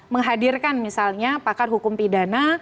menghadirkan misalnya pakar hukum pidana